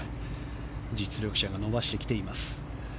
実力者が伸ばしてきています。